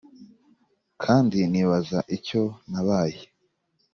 kandi nibaza icyo nabaye.